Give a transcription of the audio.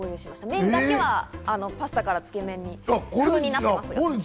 麺だけはパスタからつけ麺になっています。